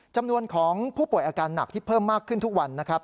จำนวนของผู้ป่วยอาการหนักที่เพิ่มมากขึ้นทุกวันนะครับ